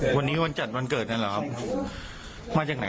พี่ได้จังหายครับ